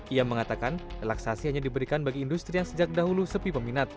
ia mengatakan relaksasi hanya diberikan bagi industri yang sejak dahulu sepi peminat